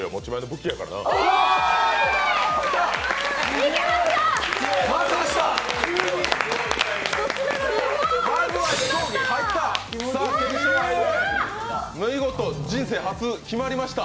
いけました！